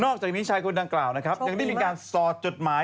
นอกจากนี้ชายคนดังกล่าวยังได้มีการสอดจดหมาย